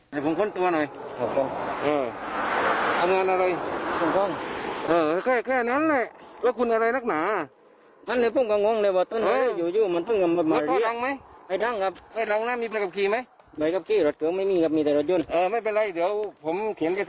นี่ค่ะคือดูเผินแต่งตัวคล้ายตำรวจนึกว่าตำรวจเลยเนี่ย